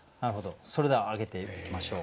それでは挙げていきましょう。